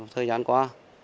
thời gian qua